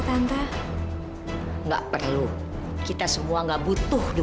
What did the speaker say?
kondisi lo berdua yang main aurang and part timer